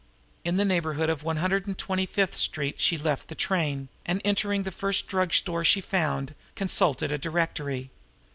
In the neighborhood of 125th street she left the train, and, entering the first drug store she found, consulted a directory.